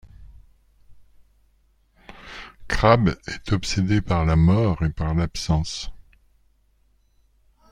Crab est obsédé par la mort, et par l'absence.